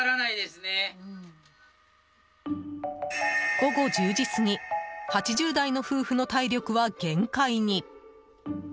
午後１０時過ぎ８０代の夫婦の体力は限界に。